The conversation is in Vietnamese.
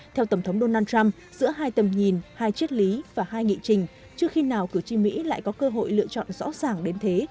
theo tổng thống donald trump giữa hai tầm nhìn hai triết lý và hai nghị trình trước khi nào cử tri mỹ lại có cơ hội lựa chọn rõ ràng đến thế